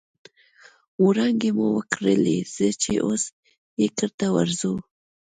وړانګې مو وکرلې ځي چې اوس یې کرته ورځو